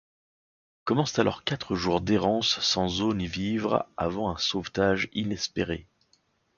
Commencent alors quatre jours d'errance sans eau ni vivres, avant un sauvetage inespéré.